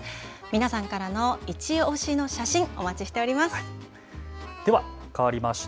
皆さんからのいちオシの写真、お待ちしております。